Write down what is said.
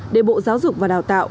để bộ giáo dục và đào tạo